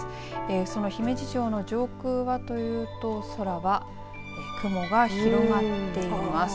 その姫路城の上空はというと空は雲が広がっています。